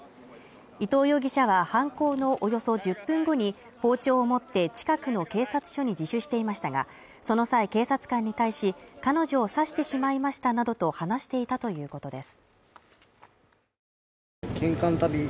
伊藤容疑者は犯行のおよそ１０分後に包丁を持って近くの警察署に自首していましたが、その際、警察官に対し、彼女を刺してしまいましたなどと話していたということです。